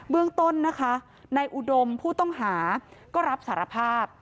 เรื่องต้นนะคะนายอุดมผู้ต้องหาก็รับสารภาพ